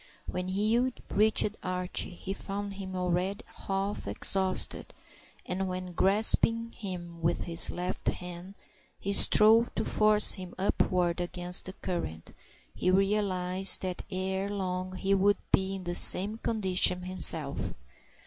When Hugh reached Archie he found him already half exhausted, and when, grasping him with his left hand, he strove to force him upward against the current, he realized that ere long he would be in the same condition himself.